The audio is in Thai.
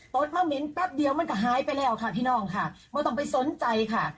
ต๊อตมาเหม็นแป๊บเดียวมันก็หายไปแล้วค่ะพี่น้องค่ะ